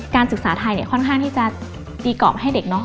ศึกษาไทยเนี่ยค่อนข้างที่จะตีกรอบให้เด็กเนอะ